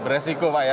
beresiko pak ya